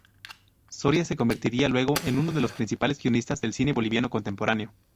Soria se convertiría luego en uno de los principales guionista del cine boliviano contemporáneo.